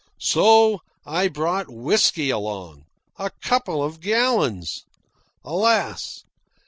So I brought whisky along a couple of gallons. Alas!